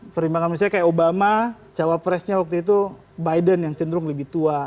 perimbangan misalnya kayak obama cawapresnya waktu itu biden yang cenderung lebih tua